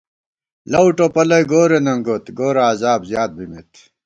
لؤ ٹوپَلئی گورے ننگوت، گورہ عذاب زیات بِمېت